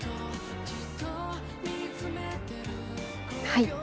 はい。